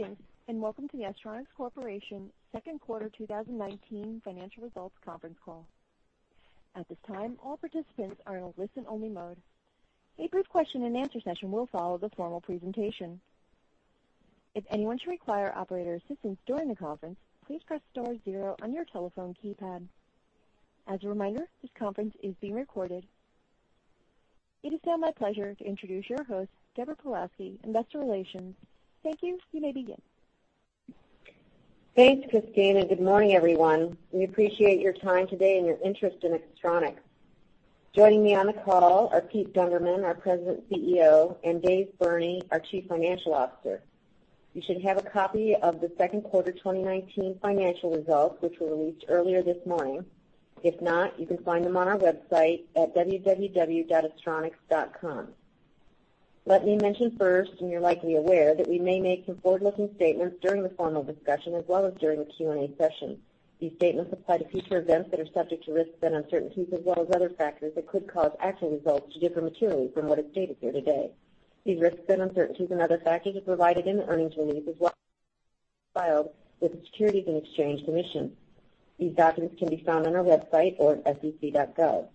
Greetings, welcome to the Astronics Corporation second quarter 2019 financial results conference call. At this time, all participants are in a listen-only mode. A brief question and answer session will follow the formal presentation. If anyone should require operator assistance during the conference, please press star zero on your telephone keypad. As a reminder, this conference is being recorded. It is now my pleasure to introduce your host, Deborah Pawlowski, Investor Relations. Thank you. You may begin. Thanks, Christine. Good morning, everyone. We appreciate your time today and your interest in Astronics. Joining me on the call are Peter Gundermann, our President CEO, and David Burney, our Chief Financial Officer. You should have a copy of the second quarter 2019 financial results, which were released earlier this morning. If not, you can find them on our website at www.astronics.com. Let me mention first, and you're likely aware, that we may make some forward-looking statements during the formal discussion as well as during the Q&A session. These statements apply to future events that are subject to risks and uncertainties as well as other factors that could cause actual results to differ materially from what is stated here today. These risks and uncertainties and other factors are provided in the earnings release as well filed with the Securities and Exchange Commission. These documents can be found on our website or at sec.gov.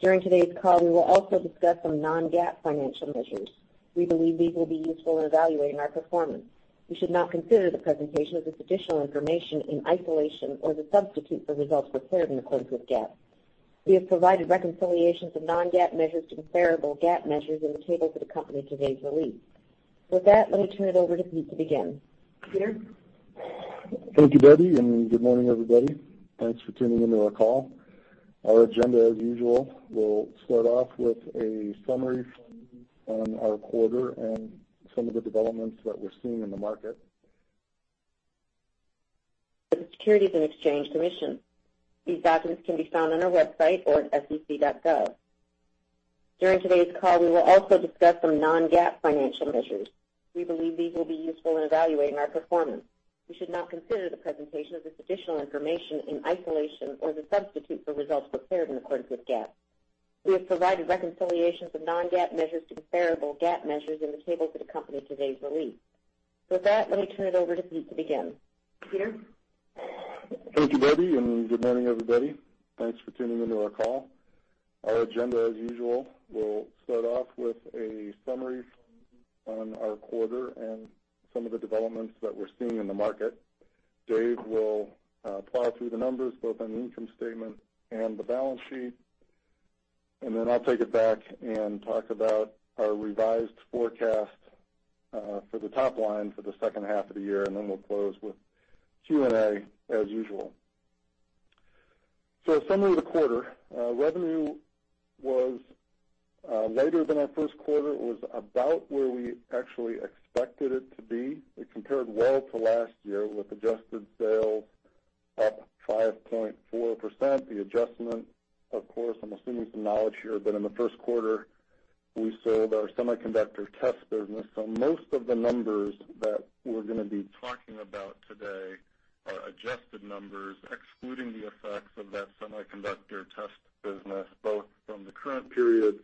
During today's call, we will also discuss some non-GAAP financial measures. We believe these will be useful in evaluating our performance. You should not consider the presentation of this additional information in isolation or to substitute for results prepared in accordance with GAAP. We have provided reconciliations of non-GAAP measures to comparable GAAP measures in the table that accompany today's release. With that, let me turn it over to Pete to begin. Peter? Thank you, Debbie, and good morning, everybody. Thanks for tuning in to our call. Our agenda, as usual, we'll start off with a summary from me on our quarter and some of the developments that we're seeing in the market. The Securities and Exchange Commission. These documents can be found on our website or at sec.gov. During today's call, we will also discuss some non-GAAP financial measures. We believe these will be useful in evaluating our performance. You should not consider the presentation of this additional information in isolation or to substitute for results prepared in accordance with GAAP. We have provided reconciliations of non-GAAP measures to comparable GAAP measures in the table that accompany today's release. With that, let me turn it over to Pete to begin. Peter? Thank you, Debbie. Good morning, everybody. Thanks for tuning in to our call. Our agenda, as usual, we'll start off with a summary from me on our quarter and some of the developments that we're seeing in the market. Dave will plow through the numbers both on the income statement and the balance sheet. Then I'll take it back and talk about our revised forecast for the top line for the second half of the year. Then we'll close with Q&A as usual. A summary of the quarter. Revenue was lighter than our first quarter. It was about where we actually expected it to be. It compared well to last year, with adjusted sales up 5.4%. The adjustment, of course, I'm assuming some knowledge here that in the first quarter, we sold our semiconductor test business. Most of the numbers that we're going to be talking about today are adjusted numbers, excluding the effects of that semiconductor test business, both from the current periods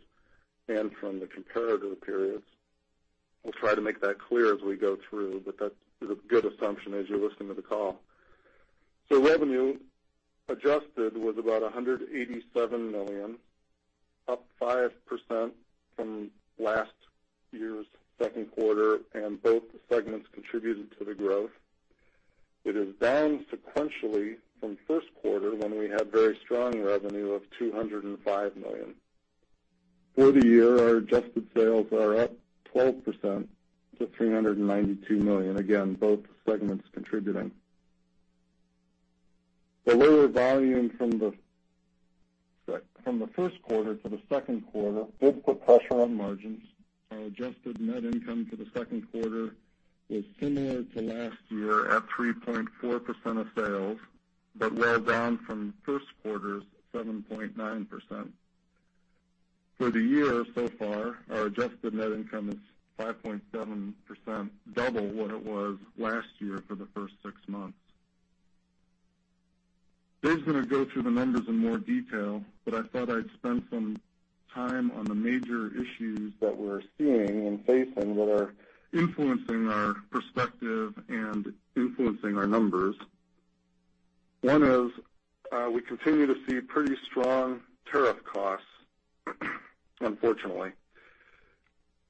and from the comparative periods. We'll try to make that clear as we go through, but that is a good assumption as you're listening to the call. Revenue adjusted was about $187 million, up 5% from last year's second quarter, and both segments contributed to the growth. It is down sequentially from first quarter when we had very strong revenue of $205 million. For the year, our adjusted sales are up 12% to $392 million, again, both segments contributing. The lower volume from the first quarter to the second quarter did put pressure on margins. Our adjusted net income for the second quarter was similar to last year at 3.4% of sales, but well down from first quarter's 7.9%. For the year so far, our adjusted net income is 5.7%, double what it was last year for the first six months. Dave's gonna go through the numbers in more detail, but I thought I'd spend some time on the major issues that we're seeing and facing that are influencing our perspective and influencing our numbers. One is, we continue to see pretty strong tariff costs, unfortunately.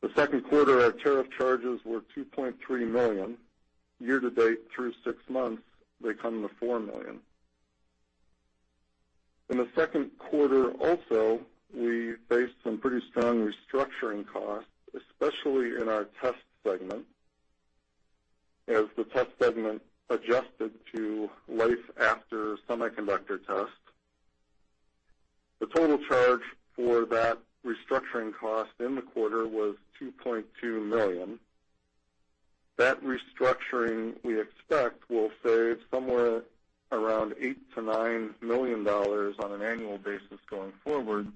The second quarter, our tariff charges were $2.3 million. Year to date, through six months, they come to $4 million. In the second quarter also, we faced some pretty strong restructuring costs, especially in our test segment, as the test segment adjusted to life after semiconductor test. The total charge for that restructuring cost in the quarter was $2.2 million. That restructuring, we expect, will save somewhere around $8 million-$9 million on an annual basis going forward,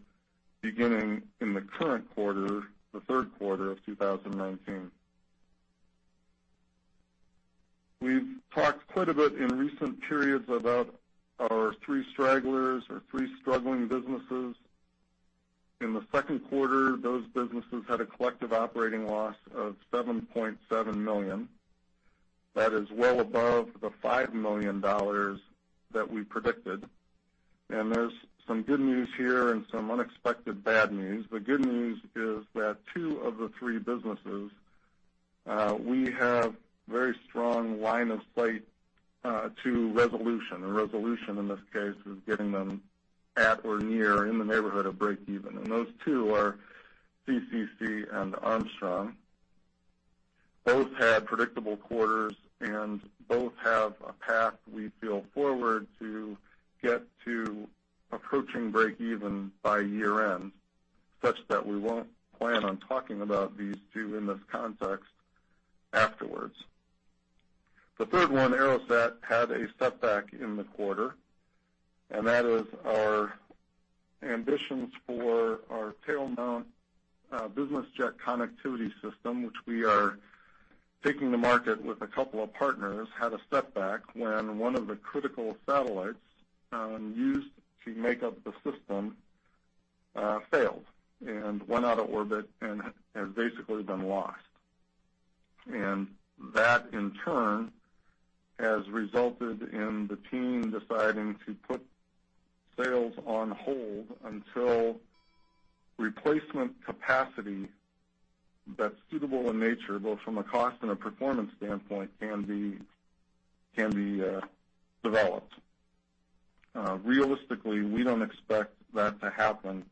beginning in the current quarter, the third quarter of 2019. We've talked quite a bit in recent periods about our three stragglers or three struggling businesses. In the second quarter, those businesses had a collective operating loss of $7.7 million. That is well above the $5 million that we predicted. There's some good news here and some unexpected bad news. The good news is that two of the three businesses, we have very strong line of sight to resolution. A resolution in this case is getting them at or near or in the neighborhood of break even. Those two are CCC and Armstrong. Both had predictable quarters, both have a path, we feel, forward to get to approaching break even by year end, such that we won't plan on talking about these two in this context afterwards. The third one, AeroSat, had a setback in the quarter, that is our ambitions for our tail-mount business jet connectivity system, which we are taking to market with a couple of partners, had a setback when one of the critical satellites used to make up the system failed and went out of orbit and has basically been lost. That, in turn, has resulted in the team deciding to put sales on hold until replacement capacity that's suitable in nature, both from a cost and a performance standpoint, can be developed. Realistically, we don't expect that to happen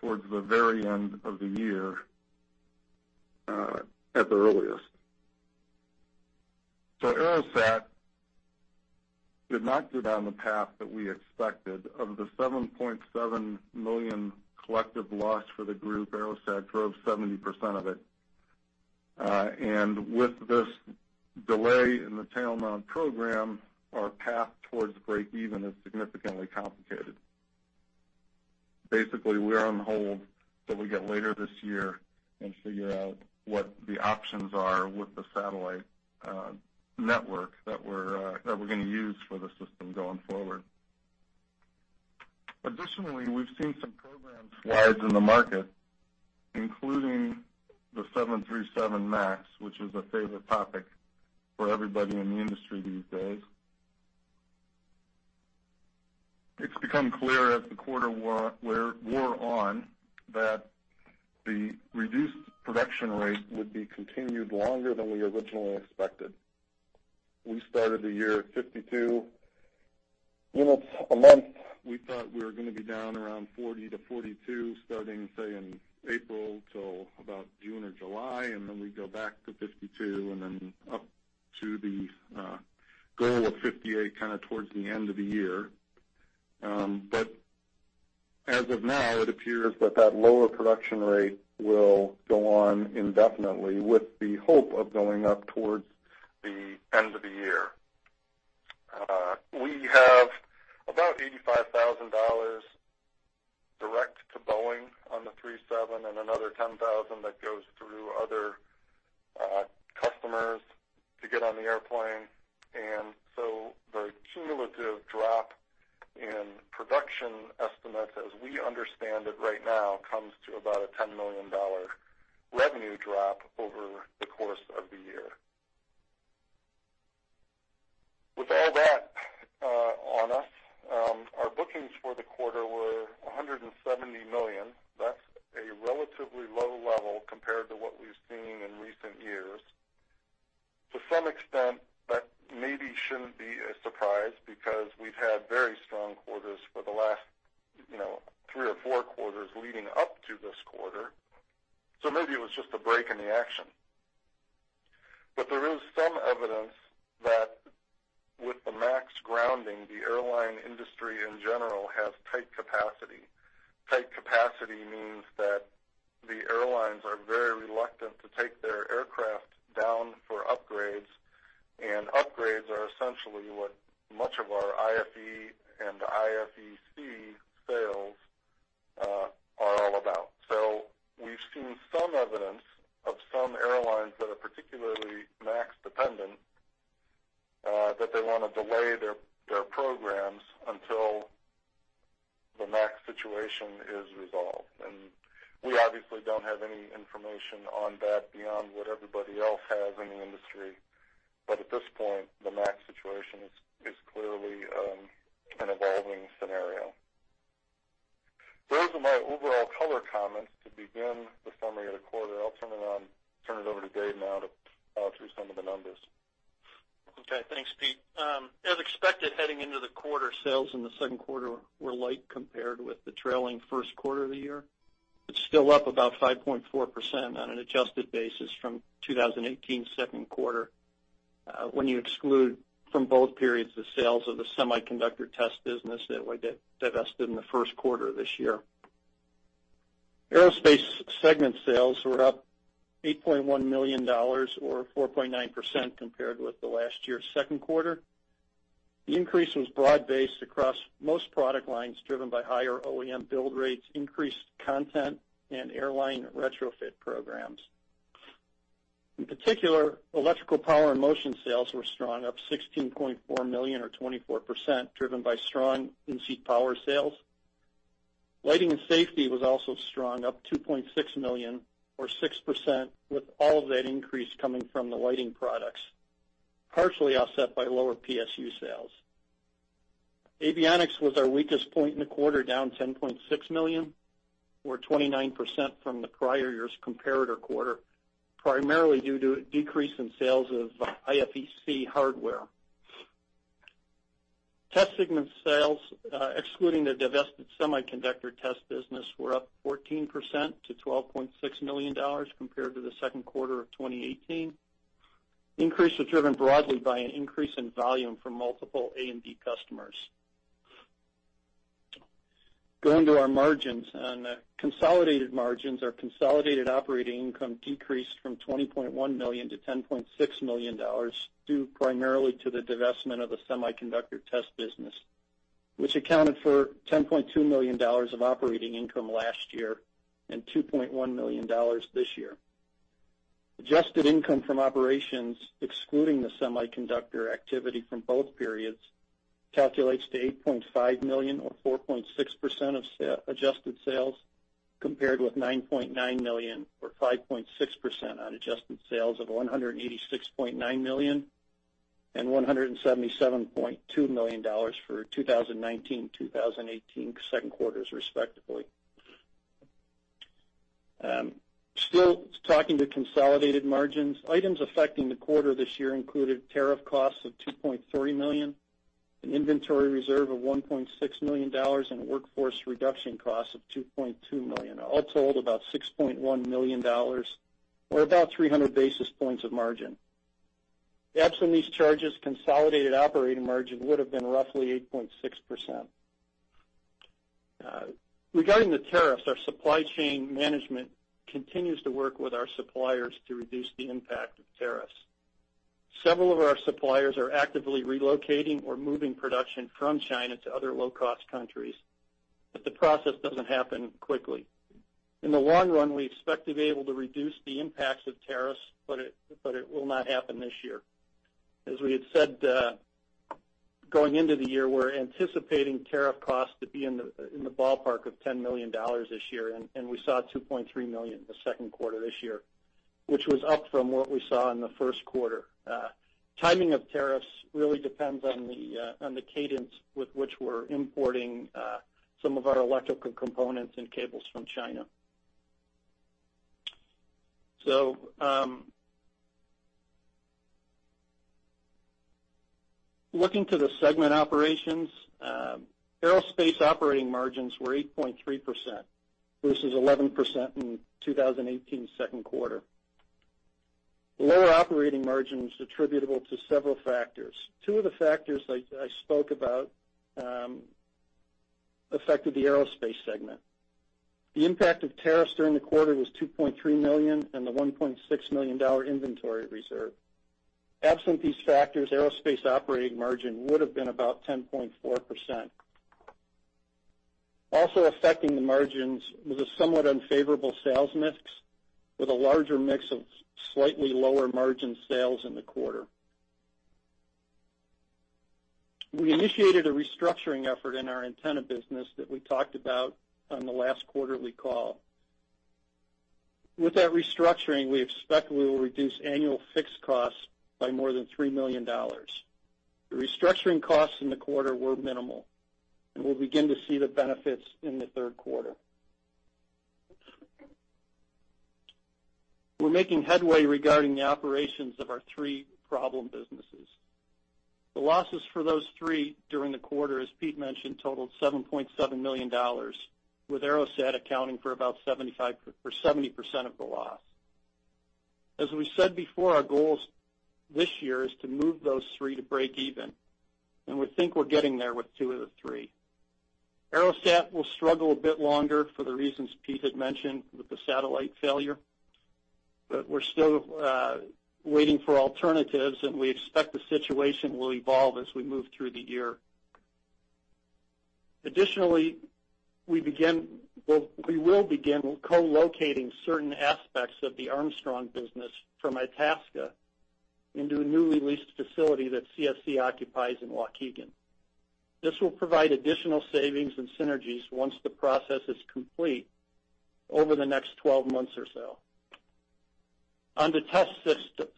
towards the very end of the year at the earliest. AeroSat did not go down the path that we expected. Of the $7.7 million collective loss for the group, AeroSat drove 70% of it. With this delay in the tail-mount program, our path towards break even is significantly complicated. Basically, we're on hold till we get later this year and figure out what the options are with the satellite network that we're going to use for the system going forward. We've seen some program slides in the market, including the 737 MAX, which is a favorite topic for everybody in the industry these days. It's become clear as the quarter wore on that the reduced production rate would be continued longer than we originally expected. We started the year at 52 units a month. We thought we were going to be down around 40-42 starting, say, in April till about June or July, and then we'd go back to 52, and then up to the goal of 58 towards the end of the year. As of now, it appears that that lower production rate will go on indefinitely with the hope of going up towards the end of the year. We have about $85,000 direct to Boeing on the 37 and another $10,000 that goes through other customers to get on the airplane. The cumulative drop in production estimates, as we understand it right now, comes to about a $10 million revenue drop over the course of the year. With all that on us, our bookings for the quarter were $170 million. That's a relatively low level compared to what we've seen in recent years. To some extent, that maybe shouldn't be a surprise because we've had very strong quarters for the last three or four quarters leading up to this quarter, so maybe it was just a break in the action. There is some evidence that with the MAX grounding, the airline industry in general has tight capacity. Tight capacity means that the airlines are very reluctant to take their aircraft down for upgrades, and upgrades are essentially what much of our IFE and IFEC sales are all about. We've seen some evidence of some airlines that are particularly MAX-dependent, that they want to delay their programs until the MAX situation is resolved. We obviously don't have any information on that beyond what everybody else has in the industry. At this point, the MAX situation is clearly an evolving scenario. Those are my overall color comments to begin the summary of the quarter. I'll turn it over to Dave now to plow through some of the numbers. Okay. Thanks, Pete. As expected, heading into the quarter, sales in the second quarter were light compared with the trailing first quarter of the year. It's still up about 5.4% on an adjusted basis from 2018 second quarter, when you exclude from both periods the sales of the semiconductor test business that we divested in the first quarter this year. Aerospace segment sales were up $8.1 million or 4.9% compared with the last year's second quarter. The increase was broad-based across most product lines, driven by higher OEM build rates, increased content, and airline retrofit programs. In particular, electrical power and motion sales were strong, up $16.4 million or 24%, driven by strong in-seat power sales. Lighting and safety was also strong, up $2.6 million or 6%, with all of that increase coming from the lighting products, partially offset by lower PSU sales. Avionics was our weakest point in the quarter, down $10.6 million or 29% from the prior year's comparator quarter, primarily due to a decrease in sales of IFEC hardware. Test segment sales, excluding the divested semiconductor test business, were up 14% to $12.6 million compared to the second quarter of 2018. The increase was driven broadly by an increase in volume from multiple A and B customers. Going to our margins. On consolidated margins, our consolidated operating income decreased from $20.1 million to $10.6 million, due primarily to the divestment of the semiconductor test business, which accounted for $10.2 million of operating income last year and $2.1 million this year. Adjusted income from operations, excluding the semiconductor activity from both periods, calculates to $8.5 million or 4.6% of adjusted sales, compared with $9.9 million or 5.6% on adjusted sales of $186.9 million and $177.2 million for 2019, 2018 second quarters, respectively. Still talking to consolidated margins. Items affecting the quarter this year included tariff costs of $2.3 million, an inventory reserve of $1.6 million and a workforce reduction cost of $2.2 million. All told, about $6.1 million or about 300 basis points of margin. Absent these charges, consolidated operating margin would have been roughly 8.6%. Regarding the tariffs, our supply chain management continues to work with our suppliers to reduce the impact of tariffs. Several of our suppliers are actively relocating or moving production from China to other low-cost countries, but the process doesn't happen quickly. In the long run, we expect to be able to reduce the impacts of tariffs, but it will not happen this year. As we had said, going into the year, we're anticipating tariff costs to be in the ballpark of $10 million this year, and we saw $2.3 million in the second quarter this year, which was up from what we saw in the first quarter. Timing of tariffs really depends on the cadence with which we're importing some of our electrical components and cables from China. Looking to the segment operations. Aerospace operating margins were 8.3%, versus 11% in 2018's second quarter. Lower operating margin was attributable to several factors. Two of the factors I spoke about affected the aerospace segment. The impact of tariffs during the quarter was $2.3 million and the $1.6 million inventory reserve. Absent these factors, aerospace operating margin would have been about 10.4%. Also affecting the margins was a somewhat unfavorable sales mix with a larger mix of slightly lower margin sales in the quarter. We initiated a restructuring effort in our antenna business that we talked about on the last quarterly call. With that restructuring, we expect we will reduce annual fixed costs by more than $3 million. The restructuring costs in the quarter were minimal, and we'll begin to see the benefits in the third quarter. We're making headway regarding the operations of our three problem businesses. The losses for those three during the quarter, as Pete mentioned, totaled $7.7 million, with AeroSat accounting for about 70% of the loss. As we said before, our goal this year is to move those three to break even, and we think we're getting there with two of the three. AeroSat will struggle a bit longer for the reasons Pete had mentioned with the satellite failure. We're still waiting for alternatives, and we expect the situation will evolve as we move through the year. Additionally, we will begin co-locating certain aspects of the Armstrong business from Itasca into a newly leased facility that CSC occupies in Waukegan. This will provide additional savings and synergies once the process is complete over the next 12 months or so. On to test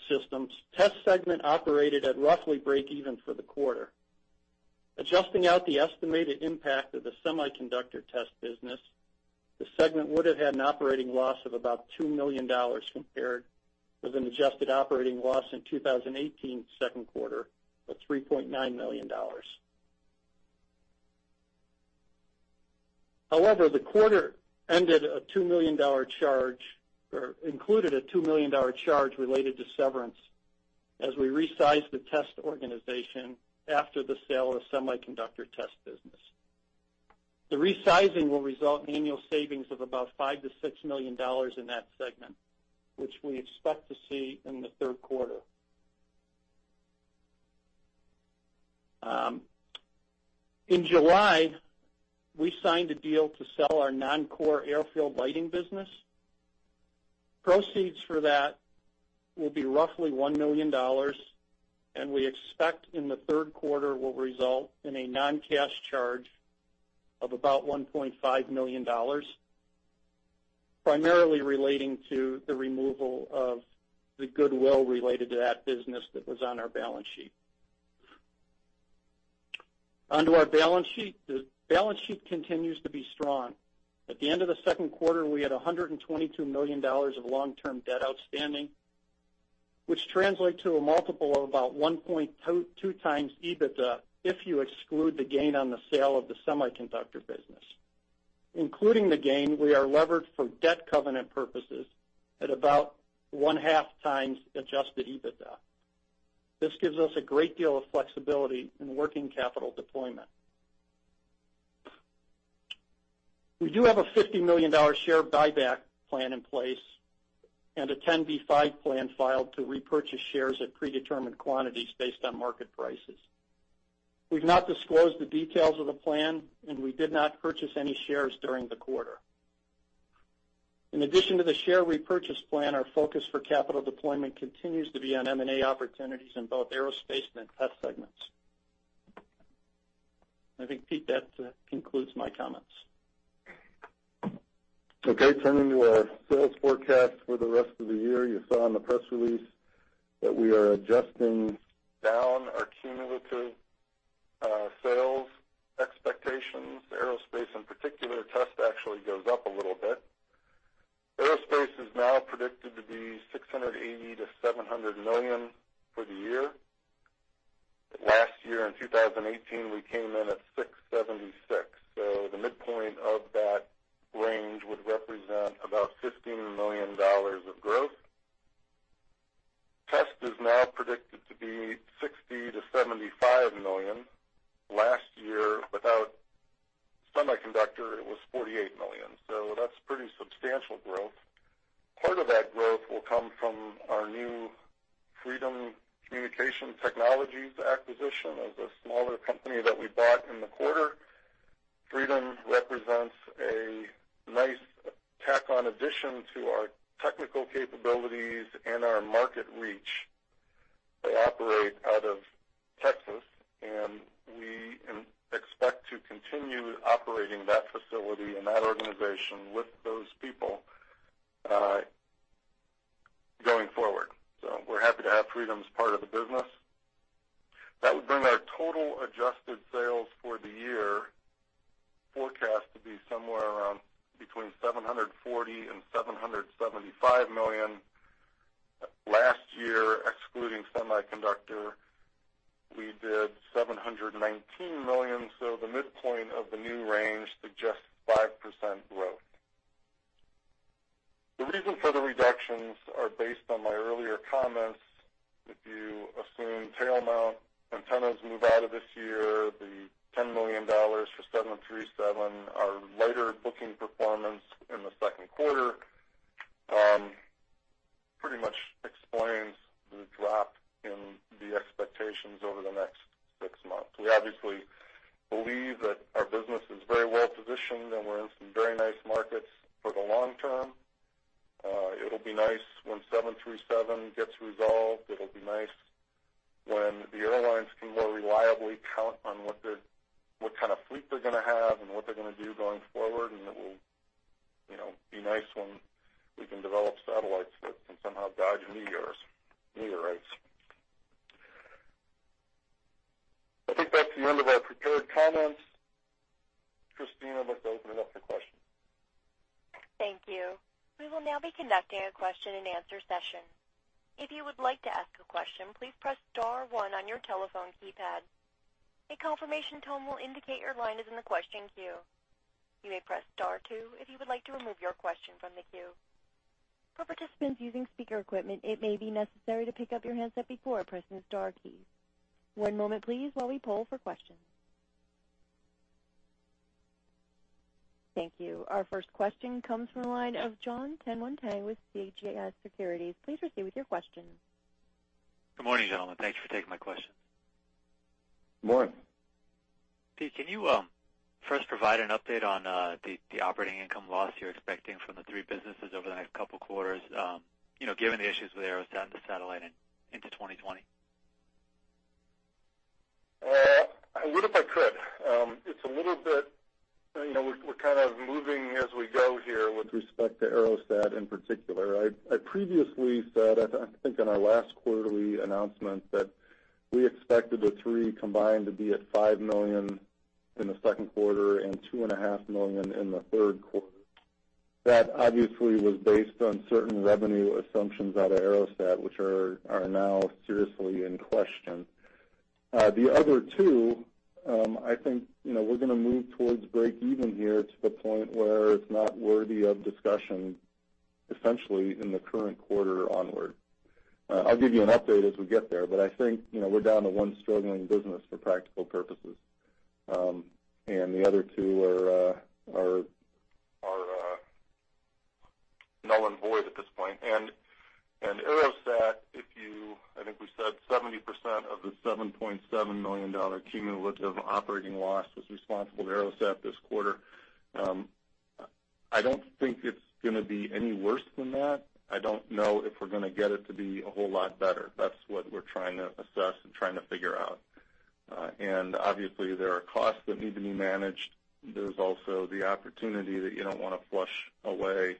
systems. Test segment operated at roughly break even for the quarter. Adjusting out the estimated impact of the semiconductor test business, the segment would have had an operating loss of about $2 million compared with an adjusted operating loss in 2018's second quarter of $3.9 million. However, the quarter included a $2 million charge related to severance as we resized the test organization after the sale of the semiconductor test business. The resizing will result in annual savings of about $5 million-$6 million in that segment, which we expect to see in the third quarter. In July, we signed a deal to sell our non-core airfield lighting business. Proceeds for that will be roughly $1 million, and we expect in the third quarter will result in a non-cash charge of about $1.5 million, primarily relating to the removal of the goodwill related to that business that was on our balance sheet. On to our balance sheet. The balance sheet continues to be strong. At the end of the second quarter, we had $122 million of long-term debt outstanding, which translates to a multiple of about 1.2 times EBITDA, if you exclude the gain on the sale of the semiconductor business. Including the gain, we are levered for debt covenant purposes at about 0.5 times adjusted EBITDA. This gives us a great deal of flexibility in working capital deployment. We do have a $50 million share buyback plan in place and a 10b5-1 plan filed to repurchase shares at predetermined quantities based on market prices. We've not disclosed the details of the plan. We did not purchase any shares during the quarter. In addition to the share repurchase plan, our focus for capital deployment continues to be on M&A opportunities in both aerospace and test segments. I think, Pete, that concludes my comments. Okay. Turning to our sales forecast for the rest of the year. You saw in the press release that we are adjusting down our cumulative sales expectations. Aerospace in particular. Test actually goes up a little bit. Aerospace is now predicted to be $680 million-$700 million for the year. Last year, in 2018, we came in at $676. The midpoint of that range would represent about $15 million of growth. Test is now predicted to be $60 million-$75 million. Last year, without semiconductor, it was $48 million. That's pretty substantial growth. Part of that growth will come from our new Freedom Communication Technologies acquisition. It was a smaller company that we bought in the quarter. Freedom represents a nice tack-on addition to our technical capabilities and our market reach. They operate out of Texas, and we expect to continue operating that facility and that organization with those people going forward. We're happy to have Freedom as part of the business. That would bring our total adjusted sales Thank you. Our first question comes from the line of Jon Tanwanteng with CJS Securities. Please proceed with your question. Good morning, gentlemen. Thanks for taking my questions. Good morning. Pete, can you first provide an update on the operating income loss you're expecting from the three businesses over the next couple of quarters, given the issues with AeroSat and the satellite into 2020? I would if I could. We're kind of moving as we go here with respect to AeroSat in particular. I previously said, I think on our last quarterly announcement, that we expected the three combined to be at $5 million in the second quarter and two and a half million in the third quarter. That obviously was based on certain revenue assumptions out of AeroSat, which are now seriously in question. The other two, I think, we're going to move towards breakeven here to the point where it's not worthy of discussion, essentially in the current quarter onward. I'll give you an update as we get there. I think we're down to one struggling business for practical purposes. The other two are all in void at this point. AeroSat, I think we said 70% of the $7.7 million cumulative operating loss was responsible to AeroSat this quarter. I don't think it's going to be any worse than that. I don't know if we're going to get it to be a whole lot better. That's what we're trying to assess and trying to figure out. Obviously there are costs that need to be managed. There's also the opportunity that you don't want to flush away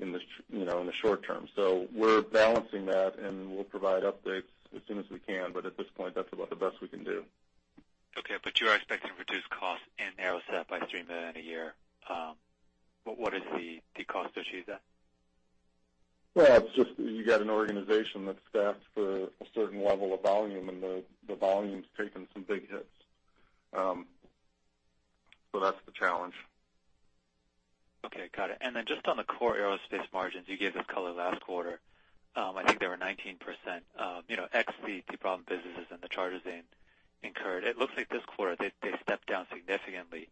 in the short term. We're balancing that, and we'll provide updates as soon as we can, but at this point, that's about the best we can do. Okay, you are expecting reduced costs in AeroSat by $3 million a year. What is the cost to achieve that? It's just you got an organization that's staffed for a certain level of volume, and the volume's taken some big hits. That's the challenge. Okay. Got it. Just on the core Aerospace margins, you gave us color last quarter. I think they were 19%, ex the problem businesses and the charges incurred. It looks like this quarter they stepped down significantly.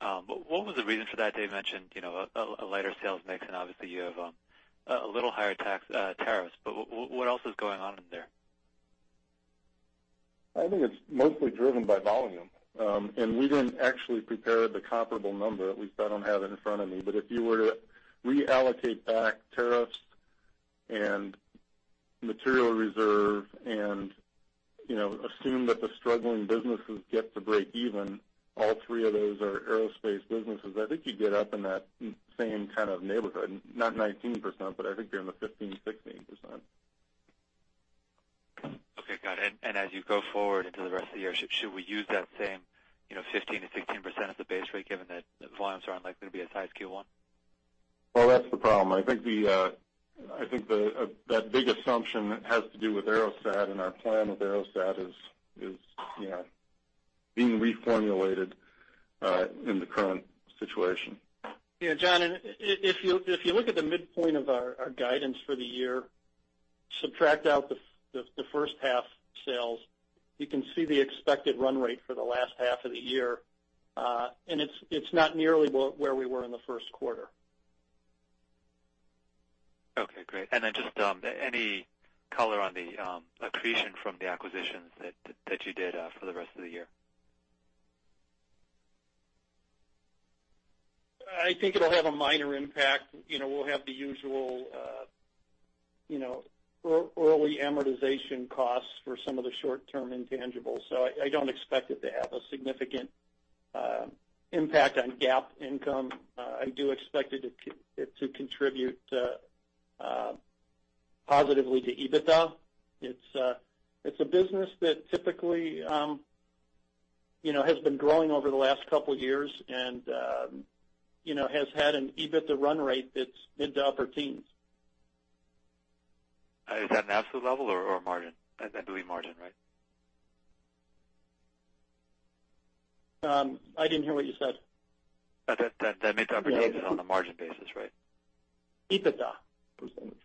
What was the reason for that? Dave mentioned a lighter sales mix and obviously you have a little higher tax tariffs. What else is going on in there? I think it's mostly driven by volume. We didn't actually prepare the comparable number. At least I don't have it in front of me. If you were to reallocate back tariffs and material reserve and assume that the struggling businesses get to break even, all three of those are Aerospace businesses. I think you get up in that same kind of neighborhood, not 19%, but I think you're in the 15%-16%. Okay. Got it. As you go forward into the rest of the year, should we use that same 15%-16% as the base rate, given that the volumes are unlikely to be as high as Q1? Well, that's the problem. I think that big assumption has to do with AeroSat, and our plan with AeroSat is being reformulated in the current situation. Yeah, Jon, if you look at the midpoint of our guidance for the year, subtract out the first half sales, you can see the expected run rate for the last half of the year. It's not nearly where we were in the first quarter. Okay, great. Then just any color on the accretion from the acquisitions that you did for the rest of the year? I think it'll have a minor impact. We'll have the usual early amortization costs for some of the short-term intangibles, so I don't expect it to have a significant impact on GAAP income. I do expect it to contribute positively to EBITDA. It's a business that typically has been growing over the last couple of years and has had an EBITDA run rate that's mid to upper teens. Is that an absolute level or a margin? That'd be margin, right? I didn't hear what you said. That mid to upper teens is on a margin basis, right? EBITDA. Percentage.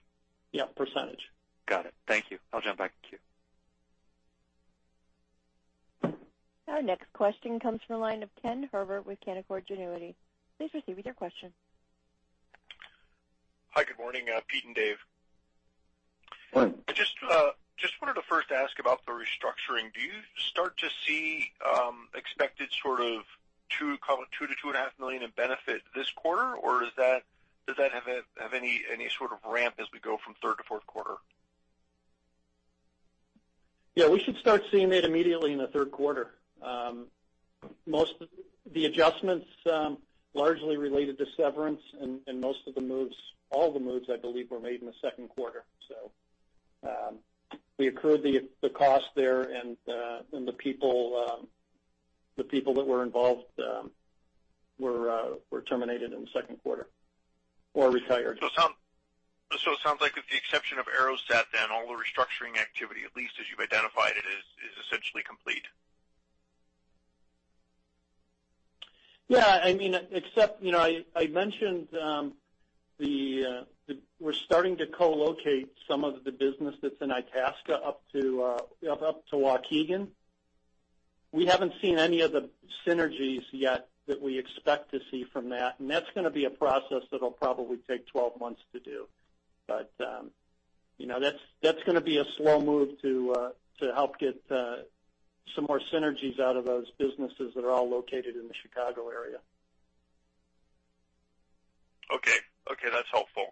Yeah, percentage. Got it. Thank you. I'll jump back in queue. Our next question comes from the line of Kenneth Herbert with Canaccord Genuity. Please proceed with your question. Hi, good morning, Pete and Dave. Good morning. I just wanted to first ask about the restructuring. Do you start to see expected sort of $2 million-$2.5 million in benefit this quarter, or does that have any sort of ramp as we go from third to fourth quarter? We should start seeing that immediately in the third quarter. Most of the adjustments largely related to severance and most of the moves, all the moves, I believe, were made in the second quarter. We accrued the cost there and the people that were involved were terminated in the second quarter or retired. It sounds like with the exception of AeroSat then, all the restructuring activity, at least as you've identified it, is essentially complete. Except I mentioned we're starting to co-locate some of the business that's in Itasca up to Waukegan. We haven't seen any of the synergies yet that we expect to see from that. That's going to be a process that'll probably take 12 months to do. That's going to be a slow move to help get some more synergies out of those businesses that are all located in the Chicago area. Okay. That's helpful.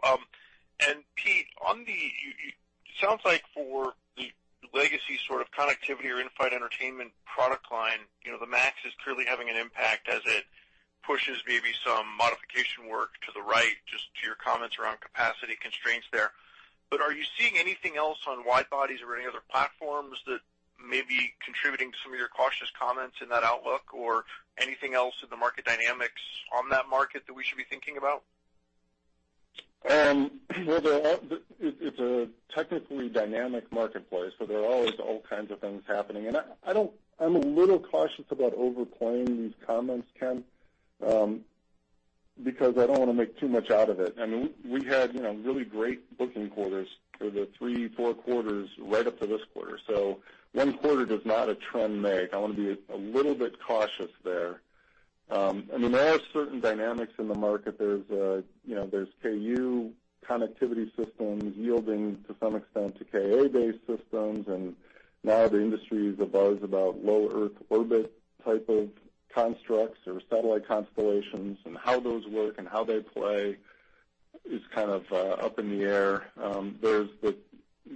Pete, it sounds like for the legacy sort of connectivity or in-flight entertainment product line, the MAX is clearly having an impact as it pushes maybe some modification work to the right, just to your comments around capacity constraints there. Are you seeing anything else on wide bodies or any other platforms that may be contributing to some of your cautious comments in that outlook? Anything else in the market dynamics on that market that we should be thinking about? Well, it's a technically dynamic marketplace, so there are always all kinds of things happening, and I'm a little cautious about overplaying these comments, Ken, because I don't want to make too much out of it. I mean, we had really great booking quarters for the three, four quarters right up to this quarter. One quarter does not a trend make. I want to be a little bit cautious there. There are certain dynamics in the market. There's Ku-band connectivity systems yielding to some extent to Ka-band-based systems, and now the industry is abuzz about low Earth orbit type of constructs or satellite constellations, and how those work and how they play is kind of up in the air.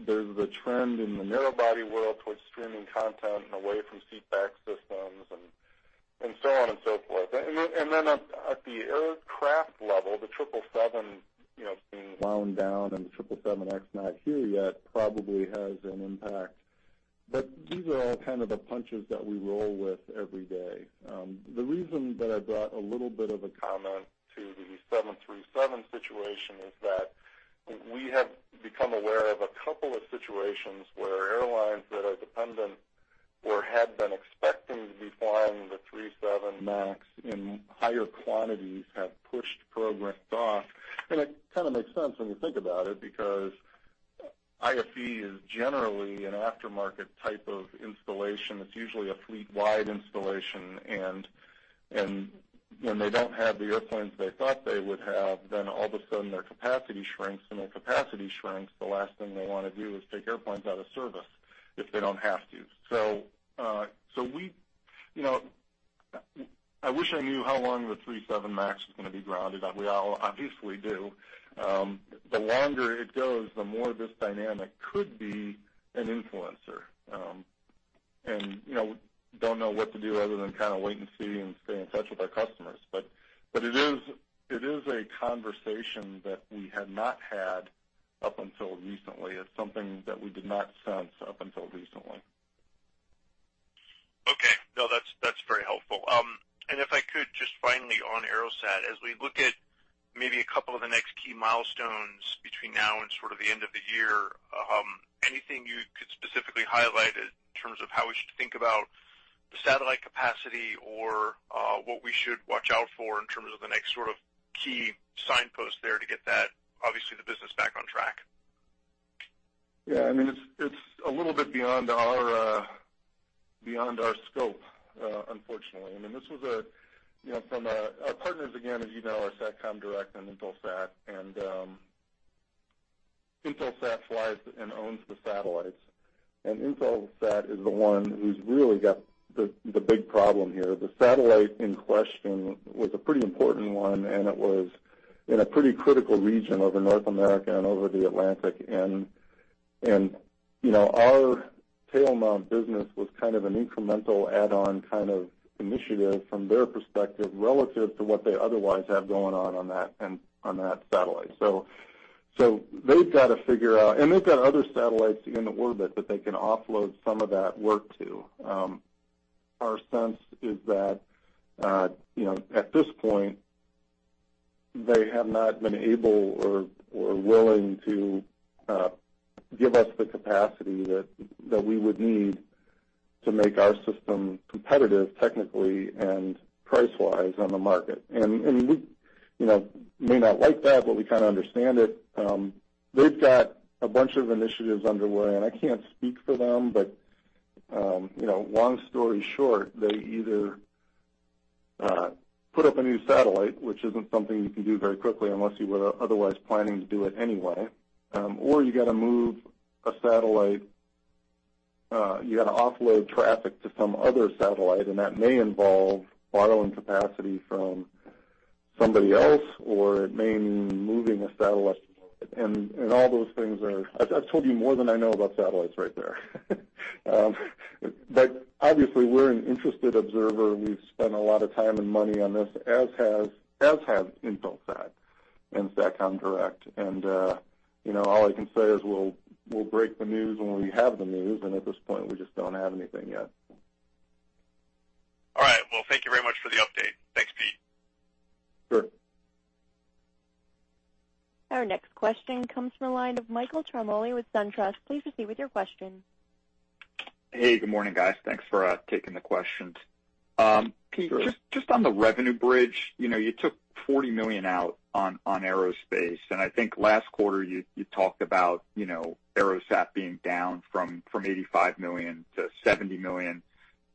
There's the trend in the narrow body world towards streaming content and away from seat back systems, and so on and so forth. At the aircraft level, the 777 being wound down and the 777X not here yet probably has an impact. These are all kind of the punches that we roll with every day. The reason that I brought a little bit of a comment to the 737 situation is that we have become aware of a couple of situations where airlines that are dependent or had been expecting to be flying the 737 MAX in higher quantities have pushed progress off. It kind of makes sense when you think about it because IFE is generally an aftermarket type of installation. It's usually a fleet-wide installation, and when they don't have the airplanes they thought they would have, then all of a sudden their capacity shrinks. When their capacity shrinks, the last thing they want to do is take airplanes out of service if they don't have to. I wish I knew how long the 737 MAX was going to be grounded. We all obviously do. The longer it goes, the more this dynamic could be an influencer. Don't know what to do other than kind of wait and see and stay in touch with our customers. It is a conversation that we had not had up until recently. It's something that we did not sense up until recently. Okay. No, that's very helpful. If I could, just finally on AeroSat, as we look at maybe a couple of the next key milestones between now and sort of the end of the year, anything you could specifically highlight in terms of how we should think about the satellite capacity or what we should watch out for in terms of the next sort of key signpost there to get that, obviously, the business back on track? It's a little bit beyond our scope, unfortunately. Our partners, again, as you know, are SATCOM Direct and Intelsat. Intelsat flies and owns the satellites, and Intelsat is the one who's really got the big problem here. The satellite in question was a pretty important one, and it was in a pretty critical region over North America and over the Atlantic, and our tail mount business was kind of an incremental add-on kind of initiative from their perspective, relative to what they otherwise have going on on that satellite. They've got to figure out. They've got other satellites in orbit that they can offload some of that work to. Our sense is that, at this point, they have not been able or willing to give us the capacity that we would need to make our system competitive technically and price-wise on the market. We may not like that, but we kind of understand it. They've got a bunch of initiatives underway, and I can't speak for them, but long story short, they either put up a new satellite, which isn't something you can do very quickly unless you were otherwise planning to do it anyway, or you've got to move a satellite. You've got to offload traffic to some other satellite, and that may involve borrowing capacity from somebody else, or it may mean moving a satellite. I've told you more than I know about satellites right there. Obviously, we're an interested observer. We've spent a lot of time and money on this, as has Intelsat and Satcom Direct. All I can say is we'll break the news when we have the news, and at this point, we just don't have anything yet. All right. Well, thank you very much for the update. Thanks, Pete. Sure. Our next question comes from the line of Michael Ciarmoli with SunTrust. Please proceed with your question. Hey, good morning, guys. Thanks for taking the questions. Sure. Pete, just on the revenue bridge. You took $40 million out on aerospace, and I think last quarter, you talked about AeroSat being down from $85 million to $70 million.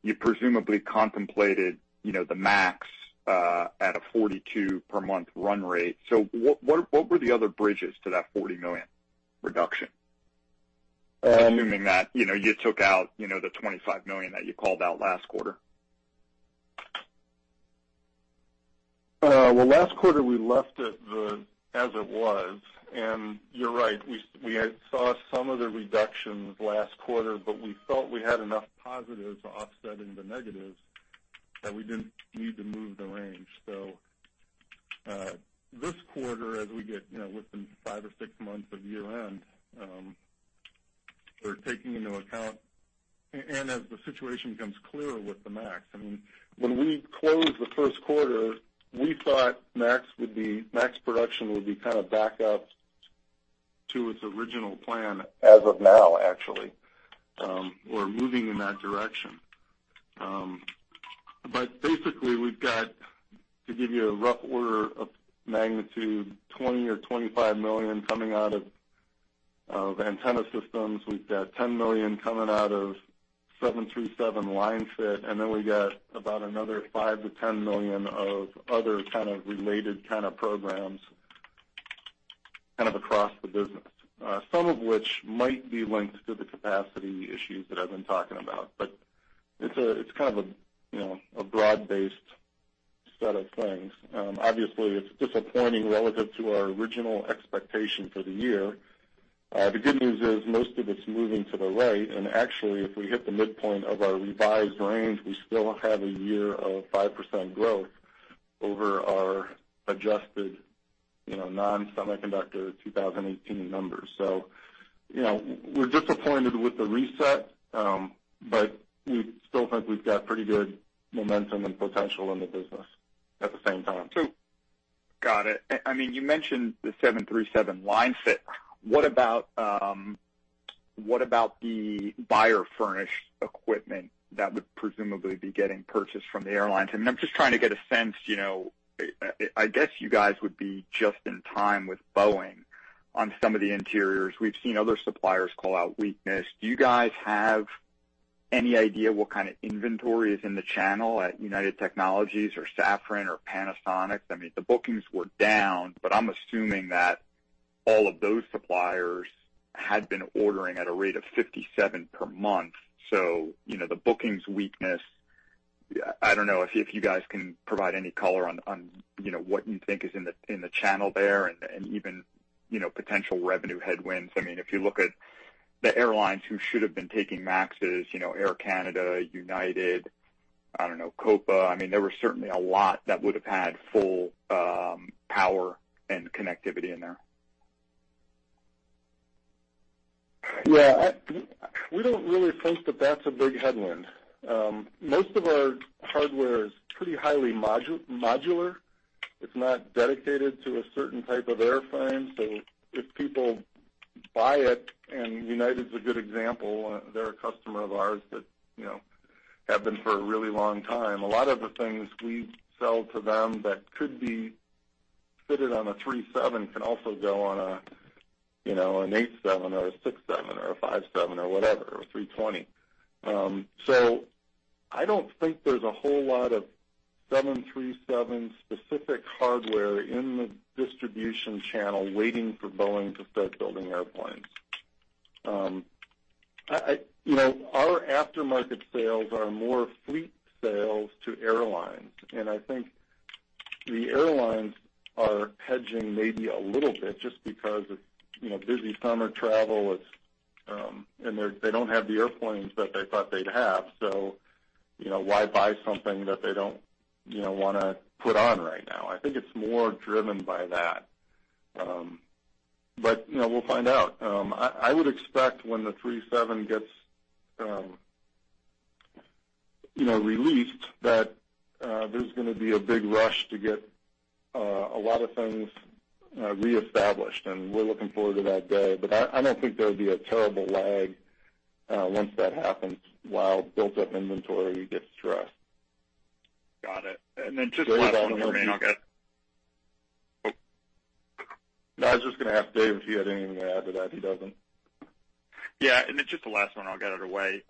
You presumably contemplated the MAX at a 42 per month run rate. What were the other bridges to that $40 million reduction? Assuming that you took out the $25 million that you called out last quarter. Well, last quarter, we left it as it was. You're right, we saw some of the reductions last quarter, but we felt we had enough positives offsetting the negatives that we didn't need to move the range. This quarter, as we get within five or six months of year-end, we're taking into account, and as the situation becomes clearer with the MAX. When we closed the first quarter, we thought MAX production would be kind of back up to its original plan as of now, actually, or moving in that direction. Basically, we've got, to give you a rough order of magnitude, $20 million or $25 million coming out of antenna systems, we've got $10 million coming out of 737 line fit, and then we got about another five to $10 million of other kind of related kind of programs, kind of across the business. Some of which might be linked to the capacity issues that I've been talking about, but it's kind of a broad-based set of things. Obviously, it's disappointing relative to our original expectation for the year. The good news is most of it's moving to the right. Actually, if we hit the midpoint of our revised range, we still have a year of 5% growth over our adjusted non-semiconductor 2018 numbers. We're disappointed with the reset, but we still think we've got pretty good momentum and potential in the business at the same time. Got it. You mentioned the 737 line fit. What about the buyer furnished equipment that would presumably be getting purchased from the airlines? I'm just trying to get a sense, I guess you guys would be just in time with Boeing on some of the interiors. We've seen other suppliers call out weakness. Do you guys have any idea what kind of inventory is in the channel at United Technologies or Safran or Panasonic? The bookings were down, but I'm assuming that all of those suppliers had been ordering at a rate of 57 per month. The bookings weakness, I don't know if you guys can provide any color on what you think is in the channel there and even potential revenue headwinds. If you look at the airlines who should have been taking MAXes, Air Canada, United, I don't know, Copa. There were certainly a lot that would've had full power and connectivity in there. Yeah. We don't really think that that's a big headwind. Most of our hardware is pretty highly modular. It's not dedicated to a certain type of airplane. If people buy it, and United's a good example, they're a customer of ours that have been for a really long time. A lot of the things we sell to them that could be fitted on a 737 can also go on a 787 or a 767 or a 757 or whatever, or an A320. I don't think there's a whole lot of 737 specific hardware in the distribution channel waiting for Boeing to start building airplanes. Our aftermarket sales are more fleet sales to airlines, and I think the airlines are hedging maybe a little bit just because of busy summer travel, and they don't have the airplanes that they thought they'd have. Why buy something that they don't want to put on right now? I think it's more driven by that. We'll find out. I would expect when the 737 gets released that there's going to be a big rush to get a lot of things reestablished, and we're looking forward to that day. I don't think there would be a terrible lag once that happens, while built-up inventory gets dressed. Got it. Just last one- Dave, I don't know. I'll get. No, I was just going to ask Dave if he had anything to add to that. He doesn't. Yeah. It's just the last one, I'll get it away.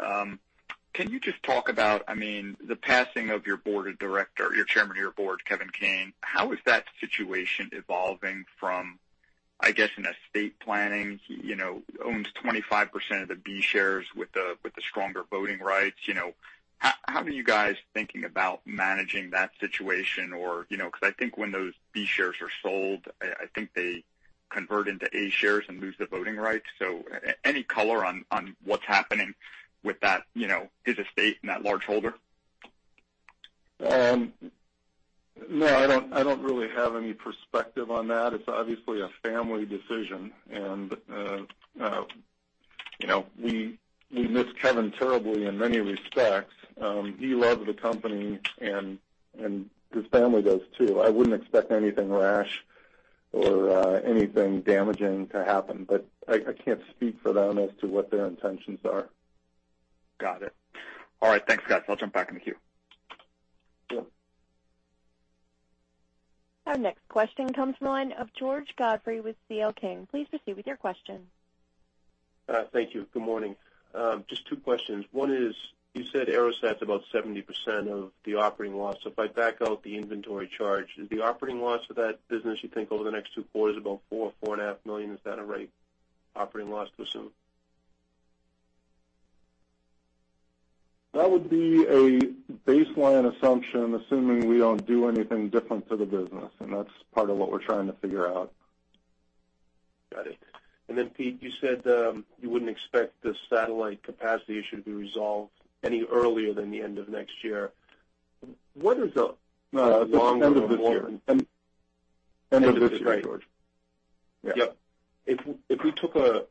Can you just talk about the passing of your Chairman of your Board, Kevin Kane? How is that situation evolving from, I guess, an estate planning? He owns 25% of the B shares with the stronger voting rights. How are you guys thinking about managing that situation or, because I think when those B shares are sold, I think they convert into A shares and lose the voting rights. Any color on what's happening with that, his estate and that large holder? No, I don't really have any perspective on that. It's obviously a family decision, and we miss Kevin terribly in many respects. He loved the company, and his family does too. I wouldn't expect anything rash or anything damaging to happen, but I can't speak for them as to what their intentions are. Got it. All right. Thanks, guys. I'll jump back in the queue. Sure. Our next question comes from the line of George Godfrey with C.L. King. Please proceed with your question. Thank you. Good morning. Just two questions. One is, you said AeroSat's about 70% of the operating loss. If I back out the inventory charge, is the operating loss for that business, you think, over the next two quarters, about $4 million-$4.5 million? Is that a right operating loss to assume? That would be a baseline assumption, assuming we don't do anything different to the business, and that's part of what we're trying to figure out. Got it. Pete, you said, you wouldn't expect the satellite capacity issue to be resolved any earlier than the end of next year. When is the? No, end of this year. End of this year, George. Yep. If we took a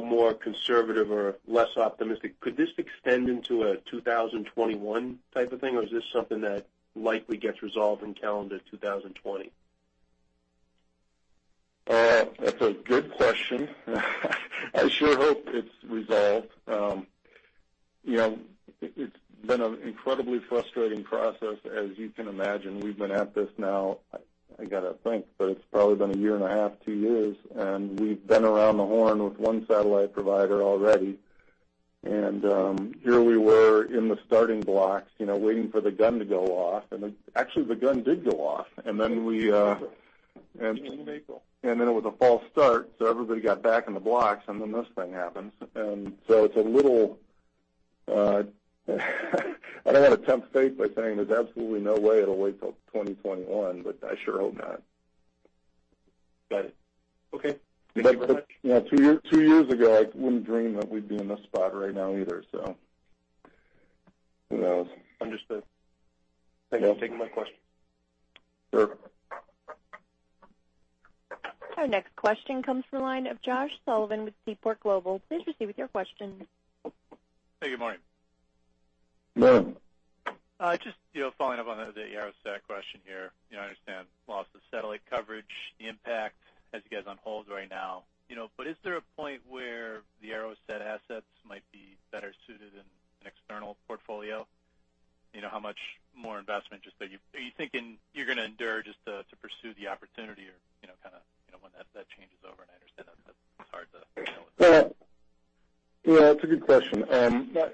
more conservative or less optimistic, could this extend into a 2021 type of thing, or is this something that likely gets resolved in calendar 2020? That's a good question. I sure hope it's resolved. It's been an incredibly frustrating process, as you can imagine. We've been at this now, I got to think, but it's probably been a year and a half, two years, and we've been around the horn with one satellite provider already. Here we were in the starting blocks, waiting for the gun to go off. Actually, the gun did go off. Then it was a false start, everybody got back in the blocks, then this thing happens. It's a little I don't want to tempt fate by saying there's absolutely no way it'll wait till 2021, but I sure hope not. Got it. Okay. Thank you very much. Two years ago, I wouldn't dream that we'd be in this spot right now either, so who knows? Understood. Thank you for taking my question. Sure. Our next question comes from the line of Josh Sullivan with Seaport Global. Please proceed with your question. Hey, good morning. Good morning. Just following up on the AeroSat question here. I understand loss of satellite coverage, the impact has you guys on hold right now. Is there a point where the AeroSat assets might be better suited in an external portfolio? How much more investment are you thinking you're going to endure just to pursue the opportunity or kind of when that changes over? I understand that's hard to tell. Yeah, it's a good question.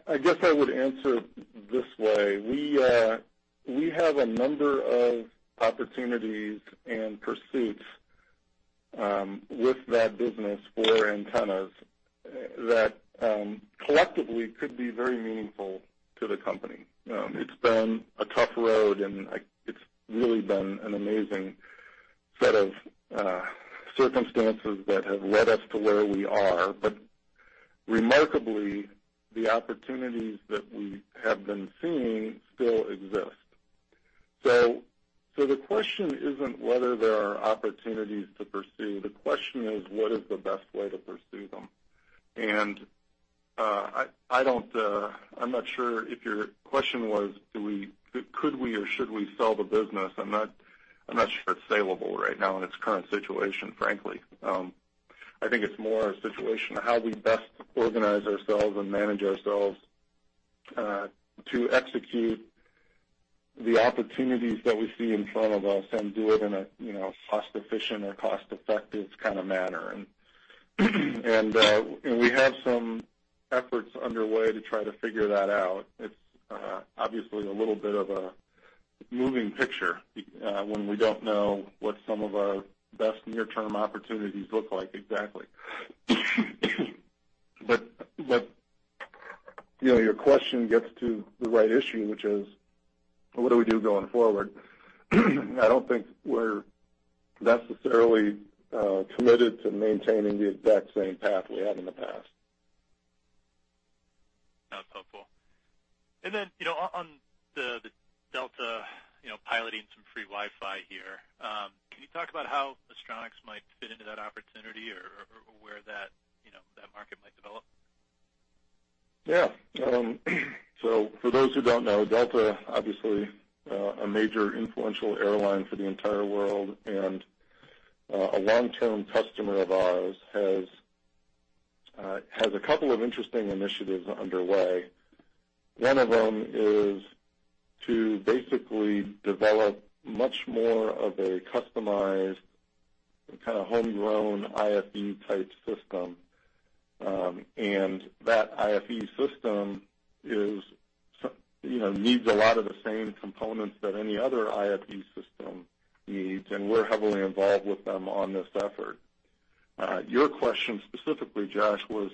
I guess I would answer it this way. We have a number of opportunities and pursuits with that business for antennas that collectively could be very meaningful to the company. It's been a tough road, and it's really been an amazing set of circumstances that have led us to where we are. Remarkably, the opportunities that we have been seeing still exist. The question isn't whether there are opportunities to pursue. The question is, what is the best way to pursue them? I'm not sure if your question was, could we or should we sell the business? I'm not sure it's saleable right now in its current situation, frankly. I think it's more a situation of how we best organize ourselves and manage ourselves to execute the opportunities that we see in front of us and do it in a cost-efficient or cost-effective kind of manner. We have some efforts underway to try to figure that out. It's obviously a little bit of a moving picture when we don't know what some of our best near-term opportunities look like exactly. Your question gets to the right issue, which is, what do we do going forward? I don't think we're necessarily committed to maintaining the exact same path we have in the past. That's helpful. On the Delta piloting some free Wi-Fi here. Can you talk about how Astronics might fit into that opportunity or where that market might develop? For those who don't know, Delta, obviously, a major influential airline for the entire world and a long-term customer of ours, has two interesting initiatives underway. One of them is to basically develop much more of a customized, kind of homegrown IFE-type system. That IFE system needs a lot of the same components that any other IFE system needs, and we're heavily involved with them on this effort. Your question specifically, Josh, was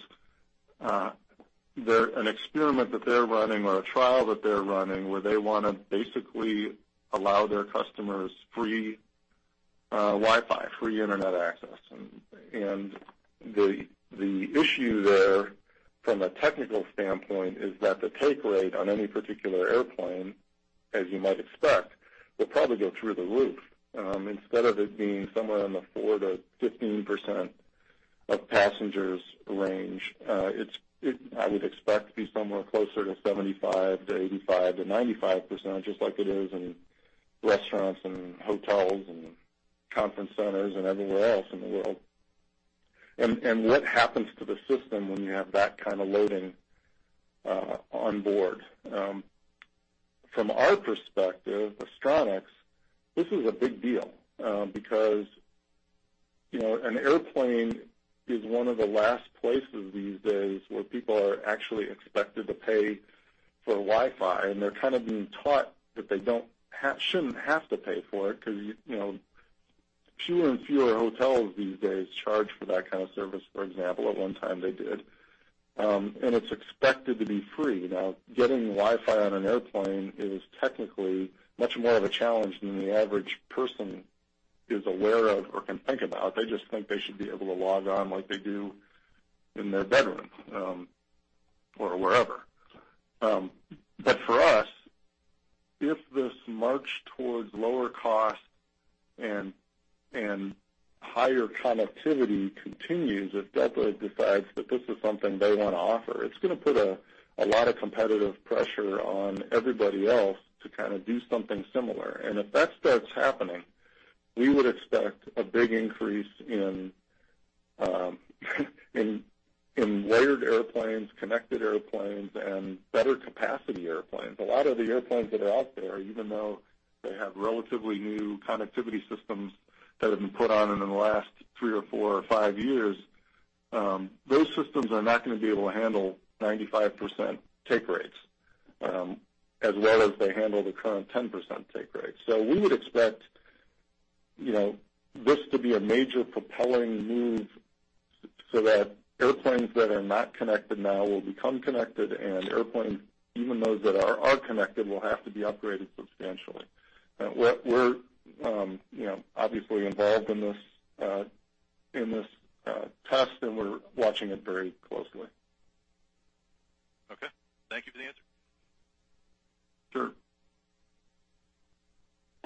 an experiment that they're running or a trial that they're running where they want to basically allow their customers free Wi-Fi, free internet access. The issue there from a technical standpoint is that the take rate on any particular airplane, as you might expect, will probably go through the roof. Instead of it being somewhere in the 4%-15% of passengers range, I would expect to be somewhere closer to 75%-85%-95%, just like it is in restaurants and hotels and conference centers and everywhere else in the world. What happens to the system when you have that kind of loading on board? From our perspective, Astronics, this is a big deal. Because an airplane is one of the last places these days where people are actually expected to pay for Wi-Fi, and they're kind of being taught that they shouldn't have to pay for it because fewer and fewer hotels these days charge for that kind of service, for example. At one time they did. It's expected to be free. Getting Wi-Fi on an airplane is technically much more of a challenge than the average person is aware of or can think about. They just think they should be able to log on like they do in their bedroom or wherever. For us, if this march towards lower cost and higher connectivity continues, if Delta decides that this is something they want to offer, it's going to put a lot of competitive pressure on everybody else to kind of do something similar. If that starts happening, we would expect a big increase in layered airplanes, connected airplanes, and better capacity airplanes. A lot of the airplanes that are out there, even though they have relatively new connectivity systems that have been put on in the last three or four or five years, those systems are not going to be able to handle 95% take rates as well as they handle the current 10% take rate. We would expect this to be a major propelling move so that airplanes that are not connected now will become connected, and airplanes, even those that are connected, will have to be upgraded substantially. We're obviously involved in this test, and we're watching it very closely. Okay. Thank you for the answer.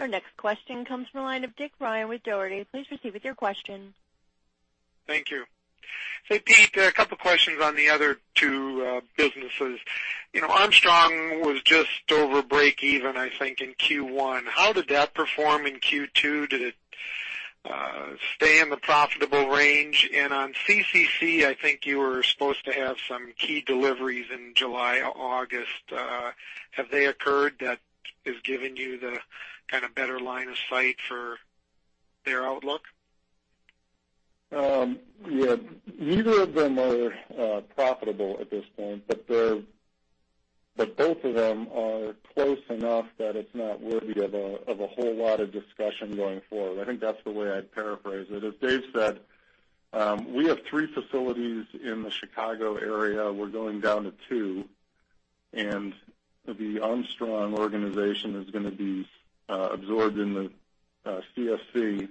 Sure. Our next question comes from the line of Dick Ryan with Dougherty. Please proceed with your question. Thank you. Say, Pete, a couple questions on the other two businesses. Armstrong was just over breakeven, I think, in Q1. How did that perform in Q2? Did it stay in the profitable range? On CCC, I think you were supposed to have some key deliveries in July or August. Have they occurred that has given you the kind of better line of sight for their outlook? Yeah. Neither of them are profitable at this point, but both of them are close enough that it's not worthy of a whole lot of discussion going forward. I think that's the way I'd paraphrase it. As Dave said, we have three facilities in the Chicago area. We're going down to two. The Armstrong organization is going to be absorbed in the Astronics CSC,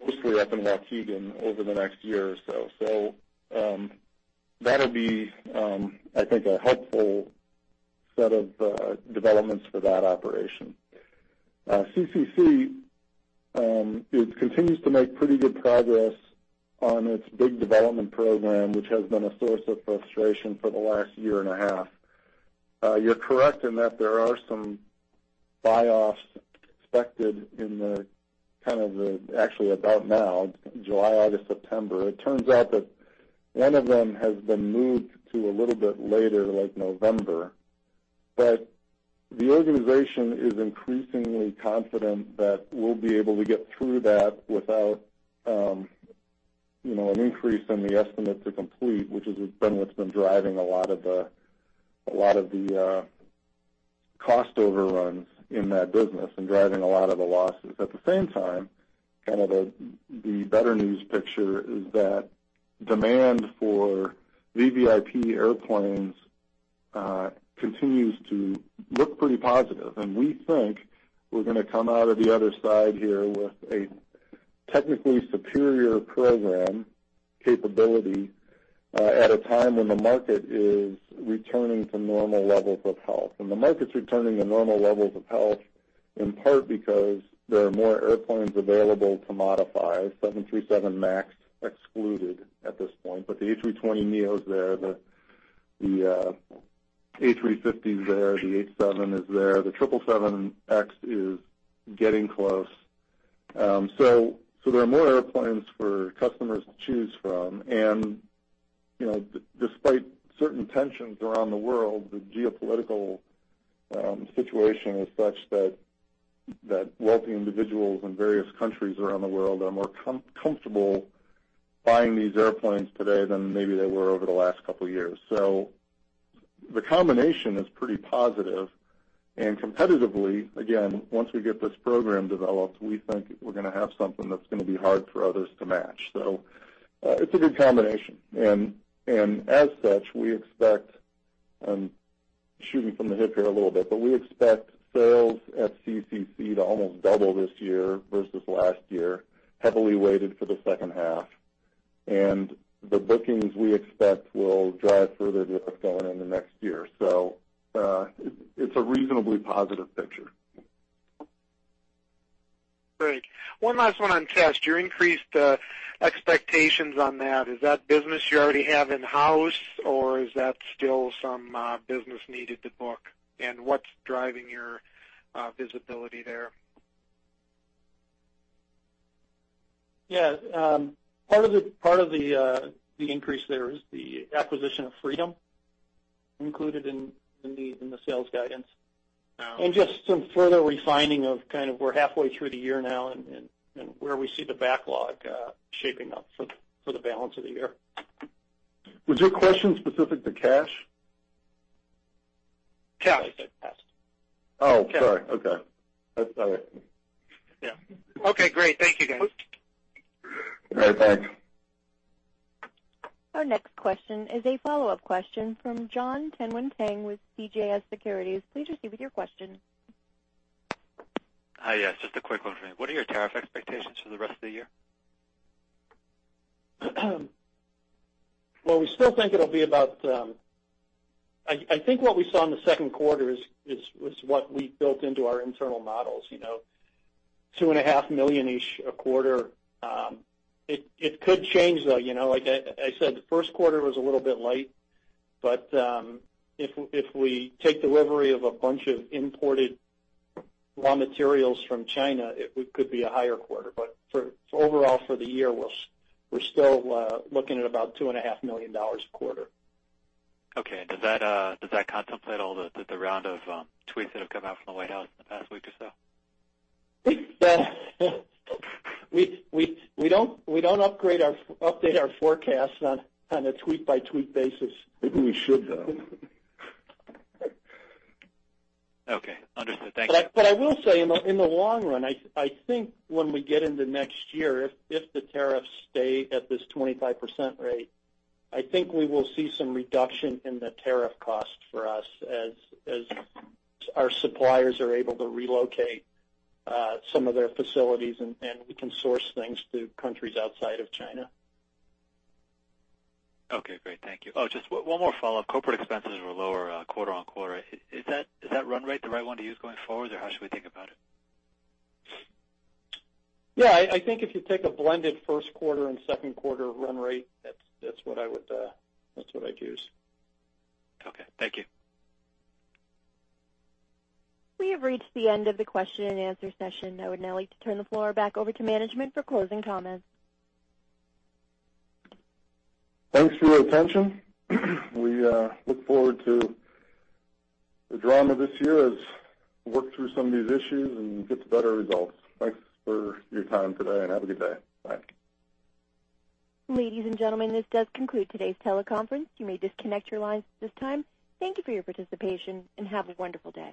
mostly up in Waukegan, over the next year or so. That'll be, I think, a helpful set of developments for that operation. Custom Control Concepts, it continues to make pretty good progress on its big development program, which has been a source of frustration for the last year and a half. You're correct in that there are some buyoffs expected in the, kind of, actually about now, July, August, September. It turns out that one of them has been moved to a little bit later, like November. The organization is increasingly confident that we'll be able to get through that without an increase in the estimate to complete, which has been what's been driving a lot of the cost overruns in that business and driving a lot of the losses. At the same time, kind of the better news picture is that demand for VVIP airplanes continues to look pretty positive, and we think we're going to come out of the other side here with a technically superior program capability at a time when the market is returning to normal levels of health. The market's returning to normal levels of health, in part because there are more airplanes available to modify. 737 MAX excluded at this point, but the A320neo's there, the A350 is there, the 787 is there, the 777X is getting close. There are more airplanes for customers to choose from, and despite certain tensions around the world, the geopolitical situation is such that wealthy individuals in various countries around the world are more comfortable buying these airplanes today than maybe they were over the last couple of years. The combination is pretty positive, and competitively, again, once we get this program developed, we think we're going to have something that's going to be hard for others to match. It's a good combination, and as such, we expect, I'm shooting from the hip here a little bit, but we expect sales at CCC to almost double this year versus last year, heavily weighted for the second half. The bookings, we expect, will drive further growth going into next year. It's a reasonably positive picture. Great. One last one on Test. You increased expectations on that. Is that business you already have in-house, or is that still some business needed to book? What's driving your visibility there? Yeah. Part of the increase there is the acquisition of Freedom included in the sales guidance. Oh. Just some further refining of kind of we're halfway through the year now and where we see the backlog shaping up for the balance of the year. Was your question specific to cash? Cash. I said Test. Oh, sorry. Okay. That's all right. Yeah. Okay, great. Thank you, guys. All right. Thanks. Our next question is a follow-up question from Jon Tanwanteng with CJS Securities. Please proceed with your question. Hi. Yes, just a quick one for you. What are your tariff expectations for the rest of the year? Well, we still think it'll be about I think what we saw in the second quarter was what we built into our internal models. $2.5 million-ish a quarter. It could change, though. Like I said, the first quarter was a little bit light, but if we take delivery of a bunch of imported raw materials from China, it could be a higher quarter. Overall for the year, we're still looking at about $2.5 million a quarter. Okay. Does that contemplate all the round of tweets that have come out from the White House in the past week or so? We don't update our forecast on a tweet-by-tweet basis. Maybe we should, though. Okay. Understood. Thank you. I will say, in the long run, I think when we get into next year, if the tariffs stay at this 25% rate, I think we will see some reduction in the tariff cost for us as our suppliers are able to relocate some of their facilities, and we can source things to countries outside of China. Okay, great. Thank you. Oh, just one more follow-up. Corporate expenses were lower quarter-on-quarter. Is that run rate the right one to use going forward, or how should we think about it? Yeah. I think if you take a blended first quarter and second quarter run rate, that's what I'd use. Okay. Thank you. We have reached the end of the question and answer session. I would now like to turn the floor back over to management for closing comments. Thanks for your attention. We look forward to the drama this year as we work through some of these issues and get to better results. Thanks for your time today, and have a good day. Bye. Ladies and gentlemen, this does conclude today's teleconference. You may disconnect your lines at this time. Thank you for your participation, and have a wonderful day.